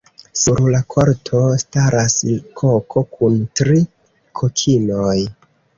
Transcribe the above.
Sur la korto staras koko kun tri kokinoj.